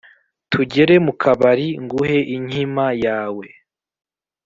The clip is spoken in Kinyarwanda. tugere mu bikari nguhe inkima yawe,